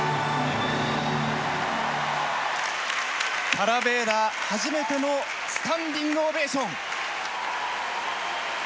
パラヴェーラ初めてのスタンディングオベーション。